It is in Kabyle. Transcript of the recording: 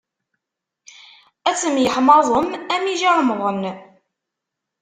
Ad temyeḥmaẓem am yijirmeḍen.